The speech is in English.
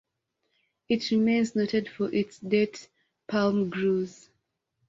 It remains noted for its date palm groves.